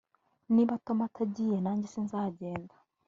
Niba Tom atagiye nanjye sinzagenda